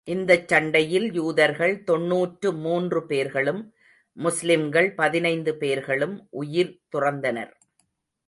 இந்தச் சண்டையில் யூதர்கள் தொண்ணூற்று மூன்று பேர்களும், முஸ்லிம்கள் பதினைந்து பேர்களும் உயிர் துறந்தனர்.